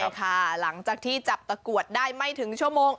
ใช่ค่ะหลังจากที่จับตะกรวดได้ไม่ถึงชั่วโมง